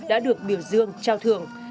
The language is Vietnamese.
đã được biểu dương trao thưởng